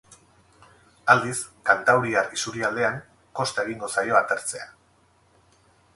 Aldiz, kantauriar isurialdean kosta egingo zaio atertzea.